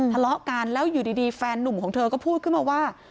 ทะเลาะกันแล้วอยู่ดีแฟนนุ่มของเธอก็พูดขึ้นมาว่า